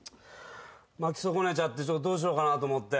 まき損ねちゃってどうしようかなと思って。